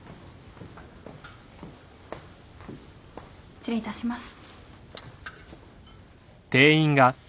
失礼いたします。